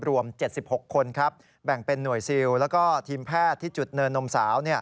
รวม๗๖คนครับแบ่งเป็นหน่วยซิลแล้วก็ทีมแพทย์ที่จุดเนินนมสาว